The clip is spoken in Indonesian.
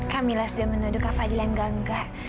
kamilah sudah menuduh kak fadil yang gangga